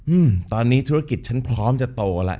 อืมตอนนี้ธุรกิจฉันพร้อมจะโตแล้ว